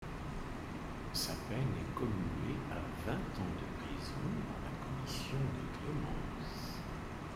Sa peine est commuée à vingt ans de prison par la Commission de clémence.